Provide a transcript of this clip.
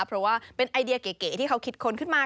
เพราะว่าเป็นไอเดียเก๋ที่เขาคิดค้นขึ้นมา